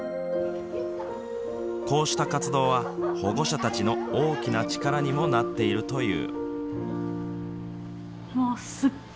こうした活動は保護者たちの大きな力にもなっているという。